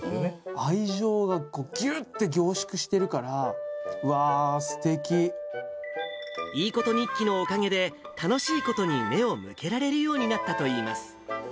愛情がぎゅっって凝縮してるいいこと日記のおかげで、楽しいことに目を向けられるようになったといいます。